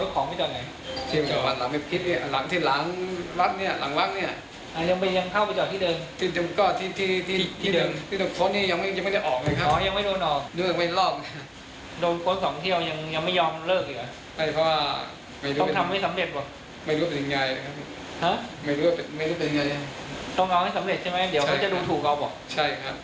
ก็บอกใช่ไม่งั้นทำไมสำเร็จ